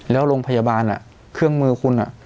แล้วโรงพยาบาลเครื่องมือคุณ